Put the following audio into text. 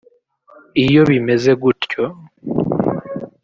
Iyo bimeze gutyo